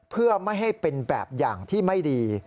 เพื่อไม่ให้เป็นแบบอย่างที่ไม่ดี